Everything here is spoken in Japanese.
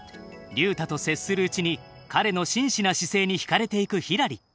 竜太と接するうちに彼のしんしな姿勢に引かれていくひらり。